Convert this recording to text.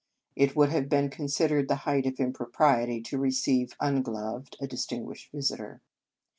It would have been considered the height of impropriety to receive, ungloved, a distinguished visitor.